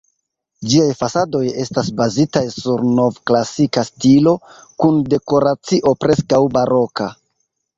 Ĝiaj fasadoj estas bazitaj sur nov-klasika stilo, kun dekoracio preskaŭ-baroka.